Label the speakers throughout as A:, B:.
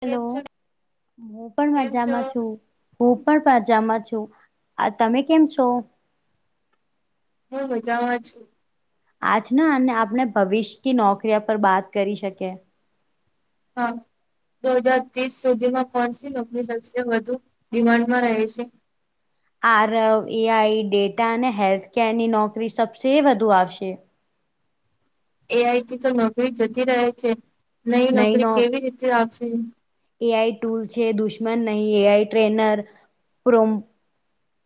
A: Hello
B: કેમ છો
A: હું પણ
B: કેમ છો
A: મજામાં છું. હું પણ પજામમાં છું આ તમે કેમ છો?
B: હું મજામાં છું.
A: આજ ના અને આપણે ભવિષ્ય ક નોકરીયા પર બાત કરી શકી.
B: હા બે હજાર ત્રીસ સુધીમાં કોની સી વધુ ડિમાન્ડમાં રહે છે?
A: આર, એ આઈ, ડેટા અને હેલ્થકેરની નોકરી સબસે વધુ આવશે.
B: એ આઈથી તો નોકરી જતી રહે છે નઈ નોકરી કેવી રીતે આપશે?
A: એ આઈ ટૂલ છે દુશ્મન નહીં AI trainer prom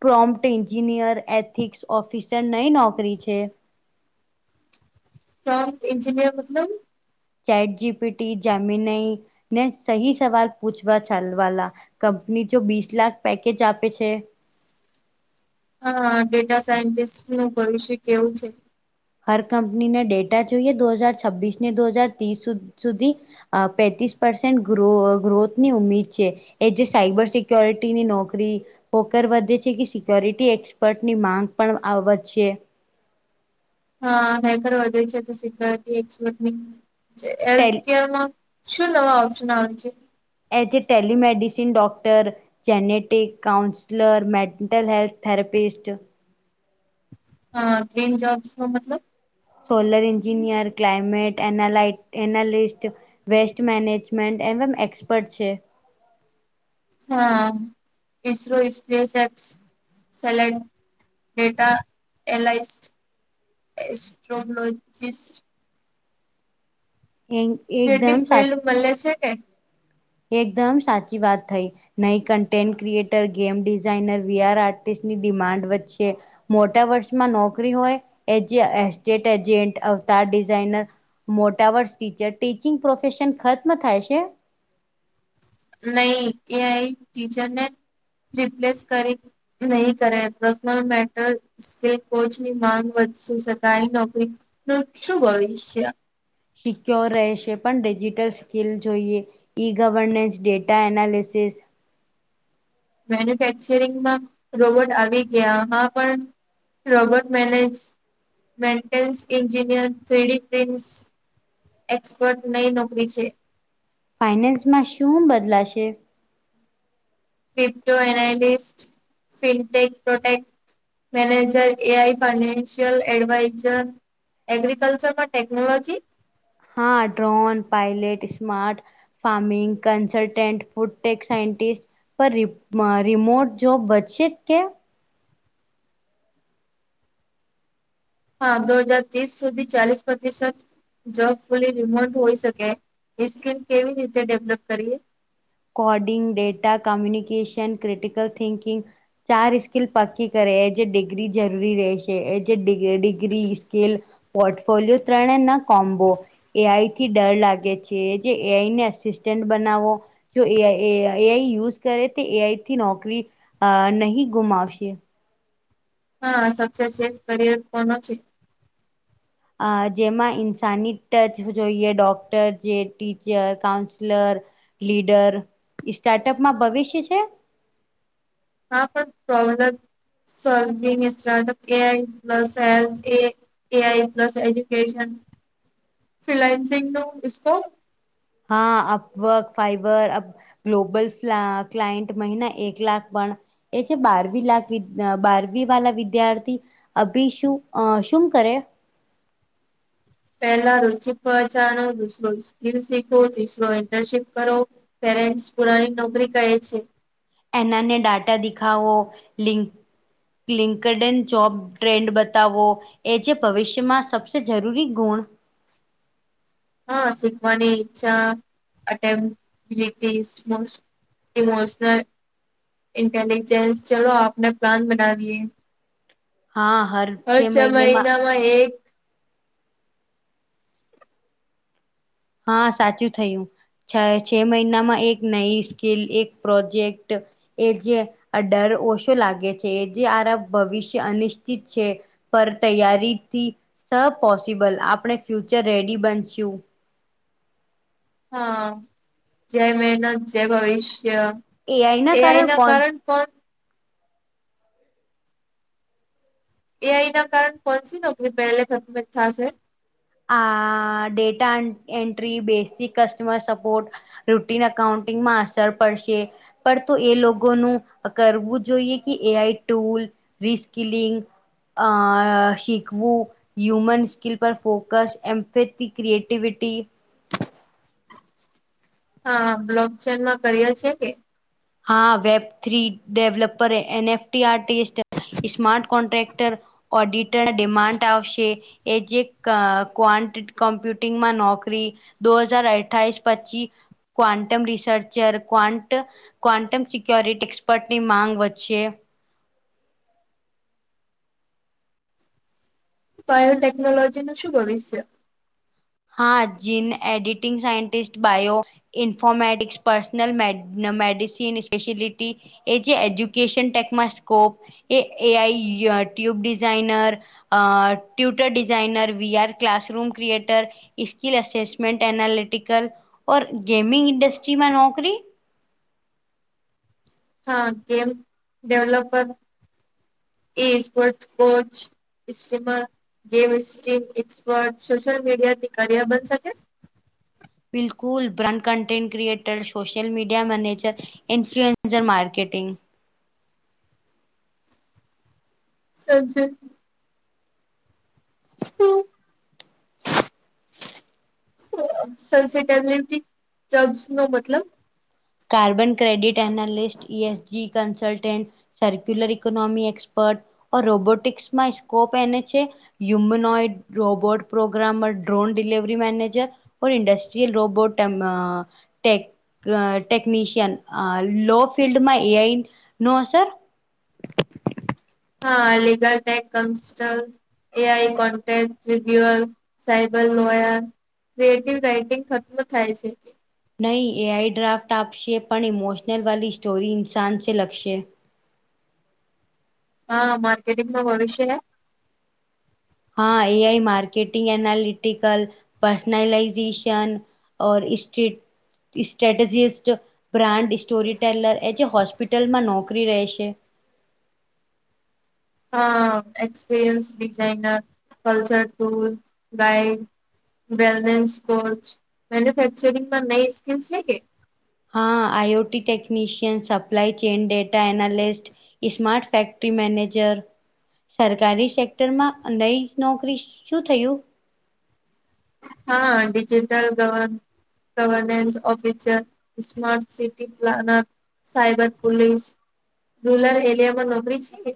A: prompt engineer ethics officer નહી નોકરી છે.
B: [inaudible] એન્જિનિયર મતલબ
A: ચેટ જીપીટી જામીનઈ ને સહી સવાલ પૂછવા ચાલવાલા કંપની જો બીસ લાખ પેકેજ આપે છે.
B: હા ડેટા સાયન્ટિસ્ટ નું ભવિષ્ય કેવું છે?
A: હર કંપનીના ડેટા જોઈએ દો હાજાર છવ્વીસ ને દો હજાર ત્રીસ સુધી, અ પેતીસ પસેન્ટો ગ્રોથની ઉમીર છે. એ જે સાયબર સિક્યોરિટીની નોકરી પોકર વધે છે કે સિક્યોરિટી એક્સપર્ટની માંગ પણ આવશે
B: [inaudible]
A: ટેલ
B: શું નવા ઓશન આવે છે?
A: એ જે telemedicine doctor genetic counsellor, mental health therapist
B: હા ગ્રીન જોબ્સ મતલબ?
A: સોલર એન્જિનિયર ક્લાઇમેટ એના એનાલિસ્ટ વેસ્ટ મેનેજમેન્ટ એમ એક્સપર્ટ છે.
B: હા ઇસરો સ્પેસક્સ સેલેડ ડેટા [inaudible] એસ્ટ્રોલોજસ્ટ
A: છે
B: હેટી
A: એકદમ સાચું
B: ફિલ્ડ મળલેે છે કે.
A: એકદમ સાચી વાત થઈ નઈ content creator game designer VR આર્ટિસ્ટની ડિમાન્ડ વચ્ચે મોટા વર્ષમાં નોકરી હોય એ જે એસ્ટેટ એજન્ટ અવતાર ડિઝઇનર મોટા વર્ષ ટીચર ટીચિંગ પ્રોફેશન ખત્મ થાય છે.
B: નહી એ આઈ ટીચરને રિપ્લેસ કરી. નહીં કરે પર્સનલ મેટર કોચની માંગ વધશે સરકારી નોકરી નું શું ભવિષ્ય??
A: સિક્યોર રહેશે પણ ડિજિટલ સ્કીિલ જોઈએ. ઇ ગવર્નન્સ ડેટા એનાલીસિસ
B: મેન્યુફેક્ચરિંગમાં રોબોટ આવી ગયામાં પણ રોબર્ટ મેનેસ મેન્ટેન્સ ન્જિનિયર થ્રીડી પ્રિમસ એક્સપર્ટ નહી નોકરી છે.
A: ફાઈનાન્સમાં શું બદલાશે
B: વિપ્રો એનાલીિ fintech project manager A I financial adviser agriculture માં ટેકનોલોજી
A: હા drone pilot smart farming consultant food tech scientist પર રિમોટ જોબ બચે કે
B: હા દો હાજાર ત્રીસ સુધી ચાલીસ પ્રતિશત જોબ ફુલી રિમોટ હોઈ શકે એ સ્કીલ કેવી રીતે ડેવલપ કરીએ.
A: Coding data communication critical thinking ચાર સ્કીલ પક્કી કરે એ જે ડિગ્રી જરૂરી રહેશે એ જેિગ ડિગ્રી સ્કીલ પોર્ટફોલિયો ત્રણે ના કોમ્બો એઆઈ થી ડર લાગે છે જે એઆઈને અસિસ્ટન્ટ બનાવો જો એ એઆઈ યુઝ કરે તે એઆઈથી નોકરી નહીં ગુમાવશે.
B: હા સ સેફ કરિયર કોનો છે.
A: અ જેમાં ઇન્સાનની ટચ જોઈએ ડોક્ટર જે ટીચર કાઉન્સલર લીડર સ્ટાર્ટઅપમાં ભવિષ્ય છે.
B: [unintelligible] એ આઈ પ્લસ એજ્યુકેશન ફિલાન્સિંગ ન સ્કોપ
A: હા અપવક ફાઈબર ગ્લોબલ ફ્લા ક્લાયન્ટ મહિના એક લાખ પણ એ છે બારવી લાખ વિ બારવી વાળા વિદ્યાર્થી અભી શું અ શું કરે
B: પહેલા રુચિ પહચાડો દુસરો સ્કલ શીખો ત્રીસરો ઇન્ટર્નશીપ કરો પેરેન્ટ્સ પુરાની નોકરી કહે છે.
A: એનાને ડાટા દેખાઓ લિંક ક્લિંકડન જોબ ટ્રેન્ડ બતાવો એ જે ભવિષ્યમાં સબસે જરૂરી ગુણ
B: હા શીખવાની ઈચ્છા અટેમ મો ઇમોશનલ ઇન્ટેલીિજન્સ ચલો આપને પ્લાન બનાવીએ
A: હા હર
B: હ છ
A: મહિનેમાં
B: મહિનામાં એક
A: હા સાચું થયું. છે મહિનામાં એક નઈ સ્કીલ એક પ્રોજેક્ટ એ જે ડર ઓછો લાગે છે એ જે આરા ભવિષ્ય અનિશ્ચિત છે. પર તૈયારીથી સપોસિબલ આપણે ફ્યુચર રેડી બનશું
B: હા જય મહેનત જય ભવિષ્ય એ આઈ ના કારણ હ એ આઈ ના કારણ પહોચી ન બેલેખતમે થશે
A: આ data entry basic customer support routine અાઉન્ટિંગમાં અસર પડશે પણ તો એ લોકોનું કરવું જોઈએ કે એ આઈ ટુલ રિસ્કલિંગ અ શીખવું હ્યુમન સ્કીલ પર ફોકસ એમ્ફેથી ક્ર્રીએટીવિટી
B: હા બ્લોક ચેનમાં કર્યા છે કે
A: હા web three developer NFT artist smart contractor auditor demand આવશે એ જે ક્ કોમ્પ્યુટિંગમાં નોકરી. દો હજાર અઠ્ઠઇસ પચી quantum researcher quant quantum security એક્સપર્ટની માંગ વચ્ચે
B: બાયો ટેકનોલોજી નું શું ભવિષ્ય.
A: હા gene editing scientist bio informatics personal medicine speciality એ જે એજ્યુકેશન ટેકમાં સ્કોપ એ એ આઈ ટ્યુબ ડિઝાઇનર અ tutor designer V R classroom creator ઈસ્કલા અસેસમેન્ટ એનાલિટિકલ ઓર ગેમિંગ ન્ડસ્ટ્રીમાં નોકરી
B: હા ગેમ ડેવલોપર એ સ્પોર્ટ કોચ ઈસિમર ગેમ ઈસ્ટિમ એક્સપર્ટ સોશિયલ મીડિયા થી કરિયર બન શકે
A: બિલકુલ brand content creator social media manager influencer marketing
B: સબજટ હમ. સેબટી જબસ નો મતલબ
A: carbon credit analyst E S G consultant circular economy expert ઓ રોબોટિક્સમાં સ્કોપ એને છે. Humanoid robot programmer drone delivery manager. ઓ ન્ડસ્ટ્રયલ રોબોટ ટેક ટેકનીિશિયન લો ફિલ્ડમાં એઈ નો અસર.
B: હા અલીગઢ કન્સ્ટલ એઆઈ કોન્ટેક ટ્રબ્યુઅલ સાબર લોયર. રાઇટિંગ ખતમ થાય છે.
A: નહીં એઆઈ ડ્રાફ્ટ આપશે પણ ઇમોશનલ વાલી સ્ટોરી ઇન્સાનસે લખશે.
B: હા માર્કેટિંગ નું ભવિષ્ય
A: હા A I marketing analytical personalisation or સસ્ટ્રીટ સ્ટ્રેટેજીિસ્ટ બ્રાન્ડ સ્ટોરી ટેલર એ જે હોસ્પિટલમાં નોકરી રહેશે.
B: હા experience designer culture tool guide wellness coach મેન્યુફેક્ચરિંગમાં નઈ સ્કીલ છે કે
A: હા આઈ OT technician supply chain data analyst smart factory manager સરકારી સેક્ટરમાં અંદ નોકરી શું થયું.
B: હા ડિજિટલ ગવે. Governance officer smart city planner cyber police rural area માં નોકરી છે.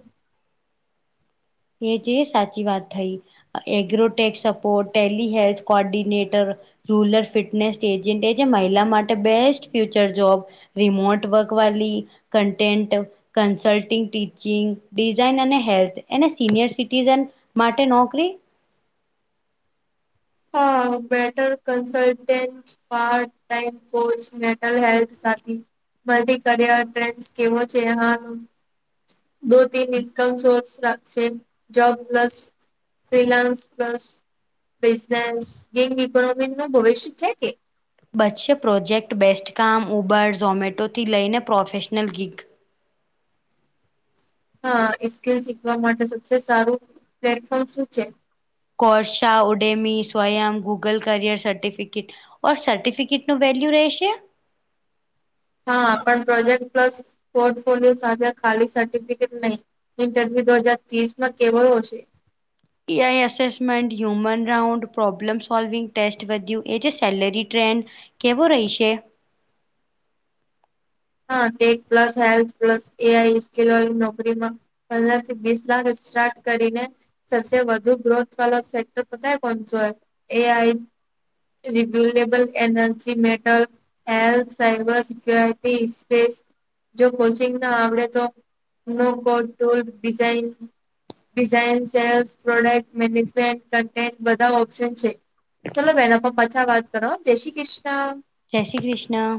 A: એ જે સાચી વાત થઈ agrotech support tele health coordinator rural fitness agent એ જે મહિલા માટે best future job remote work વાલી. કન્ટેન્ટ કન્સલ્ટિંગ ટીચિંગ ડિઝાઇન અને હેલ્થ એને સિનિયર સિટીિઝન માટે નોકરી.
B: હા બેટર કલન્ટ પાર કો મેન્ટલ હેલ્થ સાથી. મી કરયર ટ્રેન્ડ કેવો છે હા. દ તન ઇનકમ સોર્સ રાખશે જબસ ફિલાન્સ પ્લસ. બિઝનેસ ગેંગ ઇકોનોમી ન ભવિષ્ય છે કે.
A: બચ્ચે પ્રોજેક્ટ બેસ્ટકામ ઉબર ઝોમેટોથી લઈને પ્રોફેશનલ ગીગ.
B: હા એ સ્કીલ શીખવા માટે સબસે સારું પ્લેટફોર્મ શું છે.
A: Coursera Udemy Swayam Google career certificate or certificate નું વેલ્યુ રહેશે.
B: હા પણ પ્રોજેક્ટ પ્લસ પોર્ટફોલિયો સાથે ખાલી સર્ટિફિકેટ નહી. ઇન્ટરવ્યુ દો હજાર ત્રીસ માં કેવો હશે.
A: AI assessment human round problem solving test વધ્યું એ જે સેલરી ટ્રેન્ડ કેવું રહીશે.
B: હા ટેક પ્લસ હેલ્થ પ્લસ એ આઈ સ્કીલ વારી નોકરીમાં. પંદર થી વીસ લાખ સ્ટાર્ટ કરીને સબસે વધુ ગ્રોથ વાળો સેક્ટર પતા હે કોન સો હે એ આઈ. Renewable energy mental health cyber સિક્લ તીસ સ્પેશ જો કોચિંગ ના આવડે તો. નો કોટોલ design. Design sales product management content બધા ઓપ્શન છે. ચાલો ભેણ આપા પાછા વાત કરો જય શ્રી કૃષ્ણ.
A: જય શ્રી કૃષ્ણ.